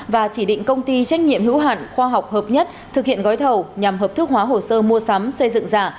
và chỉ định công ty trách nhiệm hữu hạn khoa học hợp nhất thực hiện gói thầu nhằm hợp thức hóa hồ sơ mua sắm xây dựng giả